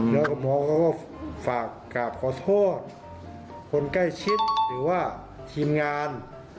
แล้วก็หมอเขาก็ฝากกราบขอโทษคนใกล้ชิดหรือว่าทีมงาน